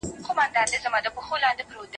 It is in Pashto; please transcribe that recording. ولې دې دا کتاب نه دی اخيستی؟